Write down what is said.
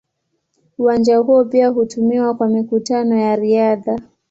Uwanja huo pia hutumiwa kwa mikutano ya riadha.